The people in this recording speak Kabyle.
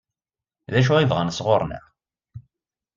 D acu i bɣan sɣur-neɣ?